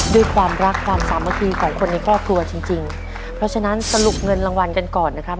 ด้วยความรักความสามัคคีของคนในครอบครัวจริงจริงเพราะฉะนั้นสรุปเงินรางวัลกันก่อนนะครับ